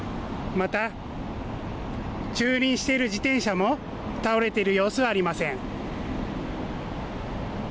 また駐輪している自転車も倒れている様子はありません。